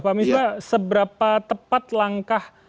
pak misbah seberapa tepat langkah